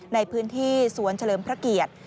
ในพื้นที่สวนเฉลิมพระเกียรติ